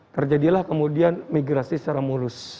terjadilah kemudian migrasi secara mulus